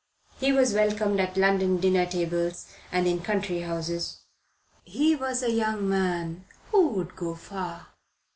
He was welcomed at London dinner tables and in country houses. He was a young man who would go far.